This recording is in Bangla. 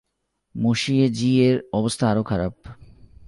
মসিয়ে জি-এর অবস্থা আরো খারাপ।